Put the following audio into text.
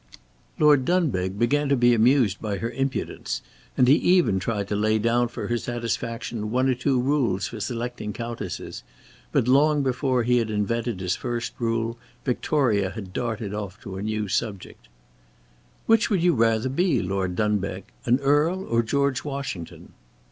Lord Dunbeg began to be amused by her impudence, and he even tried to lay down for her satisfaction one or two rules for selecting Countesses, but long before he had invented his first rule, Victoria had darted off to a new subject. "Which would you rather be, Lord Dunbeg? an Earl or George Washington?"